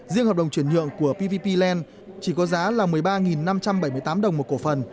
riêng hợp đồng chuyển nhượng của pvp land chỉ có giá là một mươi ba năm trăm bảy mươi tám đồng một cổ phần